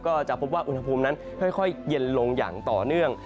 ก็จะพบว่าอุณหภูมินั้นค่อยเย็นลงอย่างต่อเนื่อง